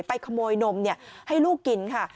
ขโมยนมให้ลูกกินค่ะ